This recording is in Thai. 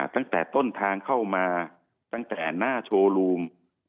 ตั้งแต่ต้นทางเข้ามาตั้งแต่หน้าโชว์รูม